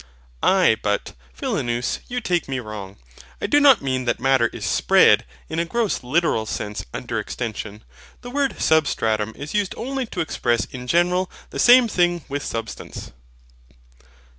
Aye but, Philonous, you take me wrong. I do not mean that Matter is SPREAD in a gross literal sense under extension. The word SUBSTRATUM is used only to express in general the same thing with SUBSTANCE.